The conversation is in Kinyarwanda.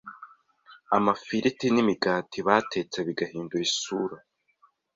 Amafiriti n’imigati batetse bigahindura isura